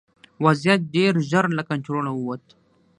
وضعیت ډېر ژر له کنټروله ووت.